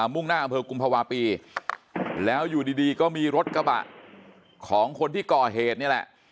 มุ่งหน้าอำเภอกุมภาวะปีแล้วอยู่ดีก็มีรถกระบะของคนที่ก่อเหตุนี่แหละ